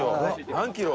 何キロ？